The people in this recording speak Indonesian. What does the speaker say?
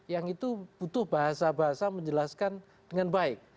yang itu butuh bahasa bahasa menjelaskan dengan baik